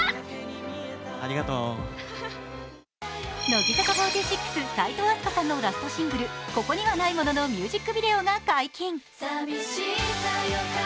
乃木坂４６・齋藤飛鳥さんのラストシングル「ここにはないもの」のミュージックビデオが解禁。